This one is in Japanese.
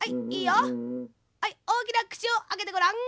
はいおおきなくちをあけてごらん。